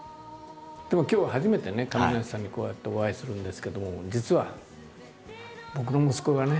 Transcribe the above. でも今日は初めてね亀梨さんにこうやってお会いするんですけども実は僕の息子がね